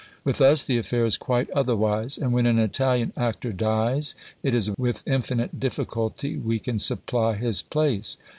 With us the affair is quite otherwise; and when an Italian actor dies, it is with infinite difficulty we can supply his place.